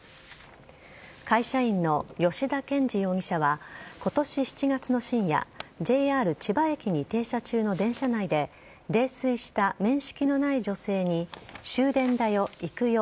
会社員の吉田憲二容疑者は今年７月の深夜ＪＲ千葉駅に停車中の電車内で泥酔した面識のない女性に終電だよ、行くよ